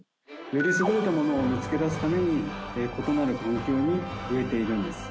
より優れたものを見つけ出すために異なる環境に植えているんです。